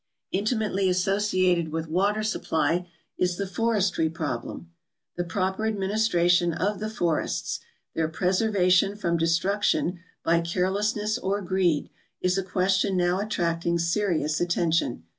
Intimately associated with water supply is the forestry prob lem. The proper administration of the forests — their preserva tion from destruction by carelessness or greed — is a question now attracting serious attention.